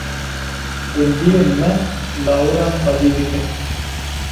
Gundiyên me, lawiran xwedî dikin.